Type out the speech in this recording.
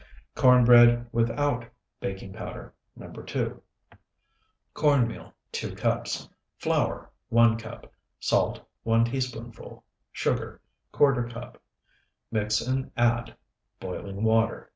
CORN BREAD WITHOUT BAKING POWDER NO. 2 Corn meal, 2 cups. Flour, 1 cup. Salt, 1 teaspoonful. Sugar, ¼ cup. Mix and add Boiling water.